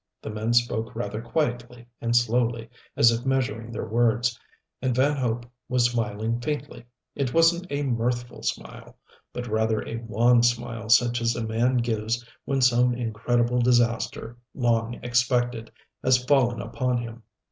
The men spoke rather quietly and slowly, as if measuring their words, and Van Hope was smiling, faintly. It wasn't a mirthful smile, but rather a wan smile such as a man gives when some incredible disaster, long expected, has fallen upon him.